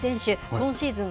今シーズン